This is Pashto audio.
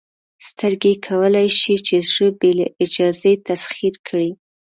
سترګې کولی شي چې زړه بې له اجازې تسخیر کړي.